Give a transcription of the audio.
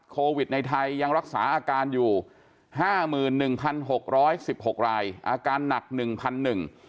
โควิดในไทยยังรักษาอาการอยู่ห้าหมื่นหนึ่งพันหกร้อยสิบหกรายอาการหนักหนึ่งพันหนึ่ง